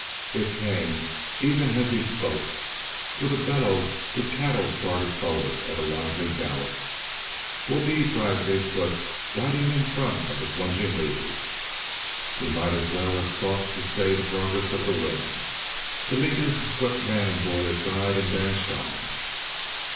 It came even as he spoke. With a bellow the cattle started forward at a lively gallop. "Whoa oo ope!" cried Big foot, riding in front of the plunging leaders. He might as well have sought to stay the progress of the wind. The leaders swept man and boy aside and dashed on.